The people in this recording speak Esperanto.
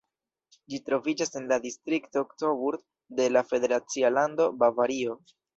Ĝi troviĝas en la distrikto Coburg de la federacia lando Bavario.